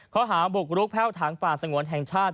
ข้อหาบุกรุกแพ่วถังป่าสงวนแห่งชาติ